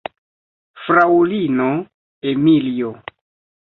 Fraŭlino Emilio!